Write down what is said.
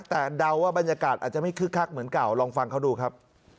แต่เดาว่าบรรยากาศอาจจะไม่คึกคักเหมือนเก่าลองฟังเขาดูครับ